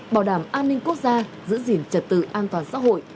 bảo đảm an ninh quốc gia giữ gìn trật tự an toàn xã hội